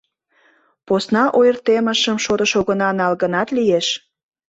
Посна ойыртемышым шотыш огына нал гынат лиеш.